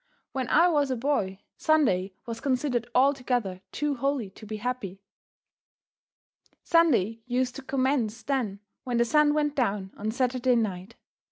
When I was a boy Sunday was considered altogether too holy to be happy in. Sunday used to commence then when the sun went down on Saturday night.